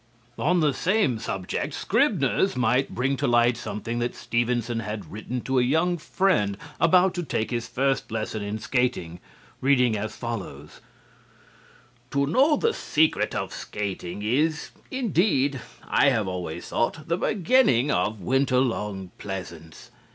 On the same subject, Scribners might bring to light something that Stevenson had written to a young friend about to take his first lesson in skating, reading as follows: "To know the secret of skating is, indeed, I have always thought, the beginning of winter long pleasance.